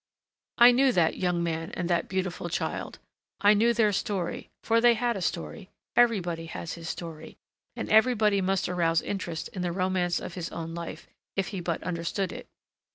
I knew that young man and that beautiful child; I knew their story, for they had a story, everybody has his story, and everybody might arouse interest in the romance of his own life if he but understood it.